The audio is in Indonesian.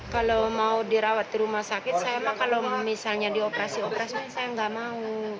kalau mau dirawat di rumah sakit saya mah kalau misalnya di operasi operasi saya nggak mau